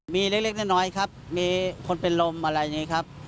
มีเล็กน้อยครับมีคนเป็นลมอะไรอย่างนี้ครับ